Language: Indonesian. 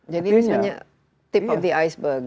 jadi ini sebenarnya tip of the iceberg